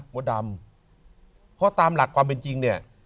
มดดำเพราะตามหลักความเป็นจริงเนี่ย